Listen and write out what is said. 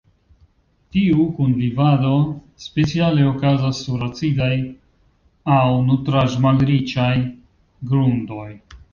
Tiu kunvivado speciale okazas sur acidaj aŭ nutraĵ-malriĉaj grundoj.